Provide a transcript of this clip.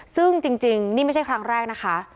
ซึ่งจริงนี่ไม่ใช่ครั้งแรกนะคะ